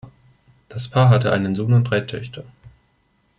Das Paar hatte einen Sohn und drei Töchter.